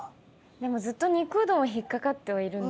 でもずっと肉うどんは引っかかってはいるんですよね。